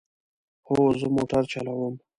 هو، زه موټر چلوم